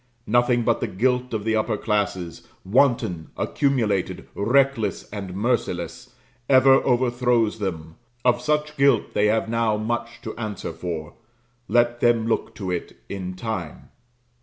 Nothing but the guilt of the upper classes, wanton, accumulated, reckless, and merciless, ever overthrows them Of such guilt they have now much to answer for let them look to it in time.